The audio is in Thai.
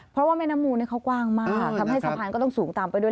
เพราะว่าแม่น้ำมูลเขากว้างมากทำให้สะพานก็ต้องสูงตามไปด้วย